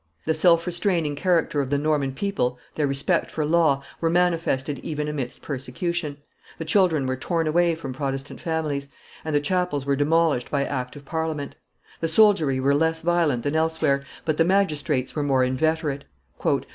The self restraining character of the Norman people, their respect for law, were manifested even amidst persecution; the children were torn away from Protestant families, and the chapels were demolished by act of Parliament; the soldiery were less violent than elsewhere, but the magistrates were more inveterate.